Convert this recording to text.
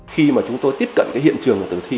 khi mà chúng tôi tiếp cận cái hiện trường và tử thi